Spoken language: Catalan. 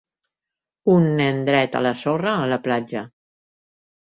Un nen dret a la sorra a la platja